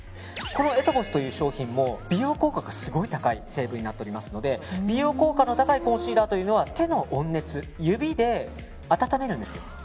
このエトヴォスという商品も美容効果がすごい高い成分になっていますので美容効果が高いコンシーラーは手の温熱、指で温めるんですよ。